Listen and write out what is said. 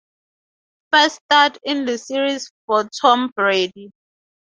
First start in the series for Tom Brady.